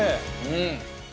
うん。